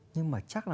nhưng mà chắc là